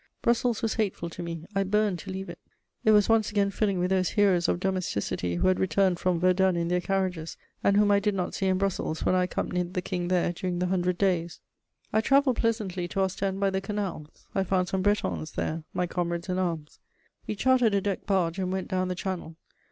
Brussels was hateful to me, I burned to leave it; it was once again filling with those heroes of domesticity who had returned from Verdun in their carriages, and whom I did not see in Brussels when I accompanied the King there during the Hundred Days. [Sidenote: I reached Guernsey.] I travelled pleasantly to Ostend by the canals: I found some Bretons there, my comrades in arms. We chartered a decked barge and went down the Channel.